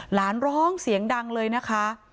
ร้องเสียงดังเลยนะคะ